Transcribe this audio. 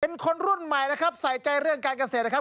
เป็นคนรุ่นใหม่นะครับใส่ใจเรื่องการเกษตรนะครับ